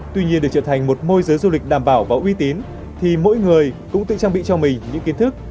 tuy nhiên để trở thành một môi giới du lịch đảm bảo và uy tín thì mỗi người cũng tự trang bị cho mình những kiến thức